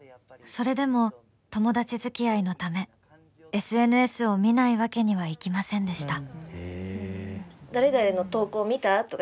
それでも、友達づきあいのためＳＮＳを見ないわけにはいきませんでした。